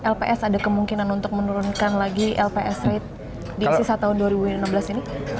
lps ada kemungkinan untuk menurunkan lagi lps rate di sisa tahun dua ribu enam belas ini